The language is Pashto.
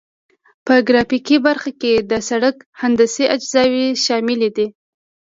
په ګرافیکي برخه کې د سرک هندسي اجزاوې شاملې دي